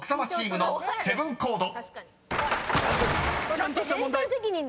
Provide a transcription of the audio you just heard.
ちゃんとした問題！